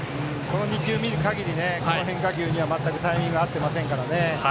この２球を見る限り変化球には全くタイミングが合ってませんからね。